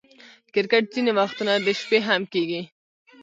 کرکټ ځیني وختونه د شپې هم کیږي.